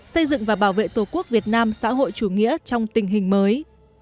xây dựng và bảo vệ tổ quốc việt nam xã hội chủ nghĩa trong tình hình mới